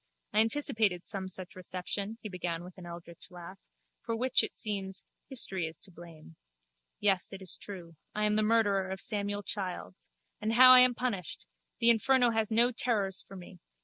I anticipated some such reception, he began with an eldritch laugh, for which, it seems, history is to blame. Yes, it is true. I am the murderer of Samuel Childs. And how I am punished! The inferno has no terrors for me.